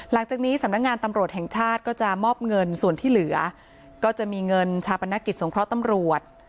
หลังจากนี้สำนักงานตำรวจแห่งชาติก็จะมอบเงินส่วนที่เหลือก็จะมีเงินชาปนกิจสงเคราะห์ตำรวจ